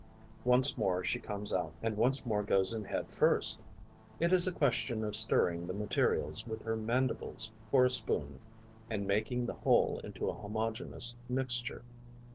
Once more she comes out and once more goes in head first. It is a question of stirring the materials, with her mandibles for a spoon, and making the whole into a homogeneous mixture.